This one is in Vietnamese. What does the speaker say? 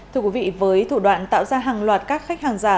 thưa quý vị với thủ đoạn tạo ra hàng loạt các khách hàng giả